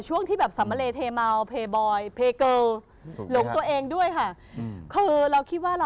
ช่วงที่แบบสำมะเลเทเมาเพย์บอยเพย์เกอร์หลงตัวเองด้วยค่ะ